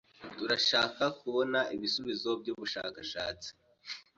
Turashaka kubona ibisubizo byubushakashatsi.